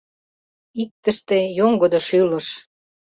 Иктыште — йоҥгыдо шӱлыш